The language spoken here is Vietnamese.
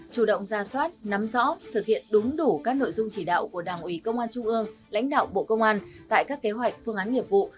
chủ động ra soát nắm rõ thực hiện đúng đủ các nội dung chỉ đạo của đảng ủy công an trung ương lãnh đạo bộ công an tại các kế hoạch phương án nghiệp vụ